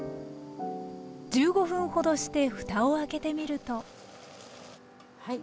１５分ほどしてふたを開けてみるとはい。